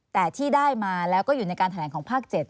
แต่ที่ได้มาแล้วก็อยู่ในการแถลงของภาค๗